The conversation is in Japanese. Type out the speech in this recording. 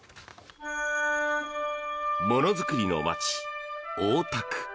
ものづくりの街、大田区。